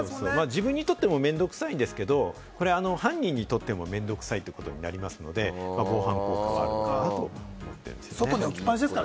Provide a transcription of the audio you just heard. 自分にとっても面倒くさいんですけれども、犯人にとっても面倒くさいということになりますので、防犯だと思ってるんですよね。